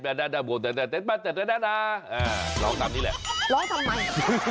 ร้องตามนี้แหละร้องทำไม